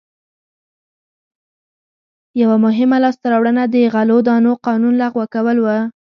یوه مهمه لاسته راوړنه د غلو دانو قانون لغوه کول و.